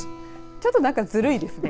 ちょっとなんかずるいですね。